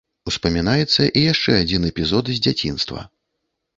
Успамінаецца і яшчэ адзін эпізод, з дзяцінства.